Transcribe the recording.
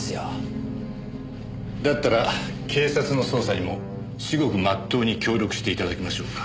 だったら警察の捜査にもしごくまっとうに協力して頂きましょうか。